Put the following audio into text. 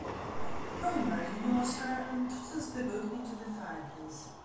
Homer ignores her and tosses the book into the fireplace.